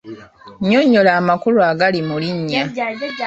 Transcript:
Nnyonnyola amakulu agali mu linnya.